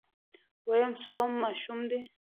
ويم څووم ماشوم دی.